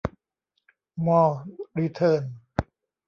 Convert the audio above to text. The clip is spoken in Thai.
มอร์ รีเทิร์น